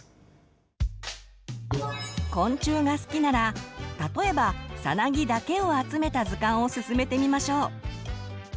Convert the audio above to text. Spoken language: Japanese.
昆虫が好きなら例えばさなぎだけを集めた図鑑をすすめてみましょう。